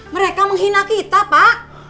mereka menghina kita pak